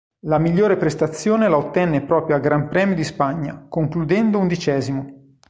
La migliore prestazione la ottenne proprio al Gran Premio di Spagna, concludendo undicesimo.